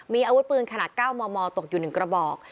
มีอาวุธปืนขนาด๙มมตกอยู่๑กระบอก